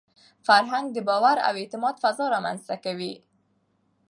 فرهنګ د باور او اعتماد فضا رامنځته کوي.